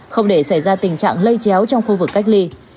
không để xảy ra tình trạng lây chéo trong khu vực cách ly